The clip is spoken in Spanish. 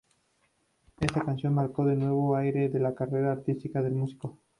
Esta canción marcó un nuevo aire en la carrera artística del músico.